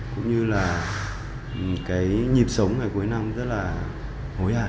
cũng như là cái nhịp sống ngày cuối năm rất là hối hả